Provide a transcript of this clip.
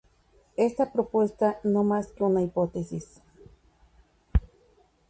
Esta propuesta no más que una hipótesis.